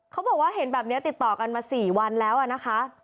เขาบอกว่าเห็นแบบนี้ติดต่อกันมา๔วันแล้วนะคะ